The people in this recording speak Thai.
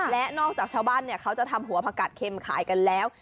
และนอกจากชาวบ้านเขาจะทำหัวผักกัดเข็มขายกันแล้ว